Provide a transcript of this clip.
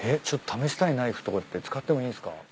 ちょっと試したいナイフとかって使ってもいいんすか？